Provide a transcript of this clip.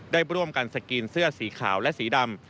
ได้ร่วมกันสกรีนเสื้อสีขาวและสีดำ